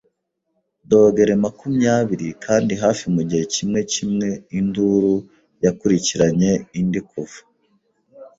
dogere makumyabiri; kandi hafi mugihe kimwe kimwe induru yakurikiranye indi kuva